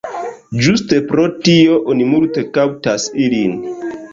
Ĝuste pro tio oni multe kaptas ilin.